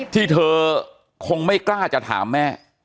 ที่เธอคงไม่กล้าจะถามแม่